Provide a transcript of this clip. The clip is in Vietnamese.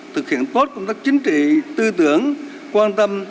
thực hiện tốt công tác chính trị tư tưởng quan tâm